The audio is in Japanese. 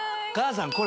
お母さん！